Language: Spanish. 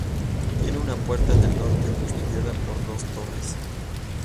Tiene una puerta en el norte custodiada por dos torres.